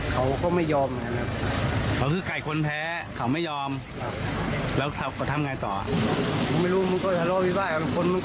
กลายไฟที่ถูกยิงหรือว่าคนที่ยิง